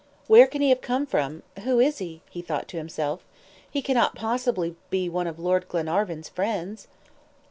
"Where can he have come from? Who is he?" he thought to himself. "He can not possibly be one of Lord Glenarvan's friends?"